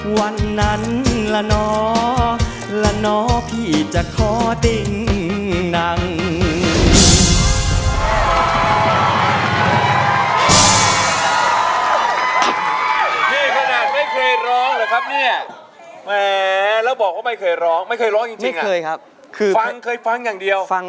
วันนั้นละน้อละน้อพี่จะขอติ้งนั่ง